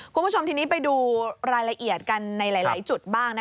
คุณผู้ชมทีนี้ไปดูรายละเอียดกันในหลายจุดบ้าง